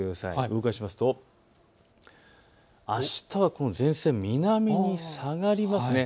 動かしますとあしたはこの前線、南に下がります。